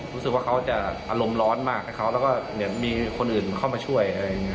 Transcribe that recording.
รู้สึกว่าเขาอาลมร้อนมากมากและมีคนอื่นเข้ามาช่วย